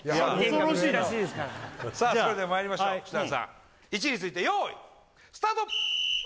それではまいりましょう設楽さん位置について用意スタート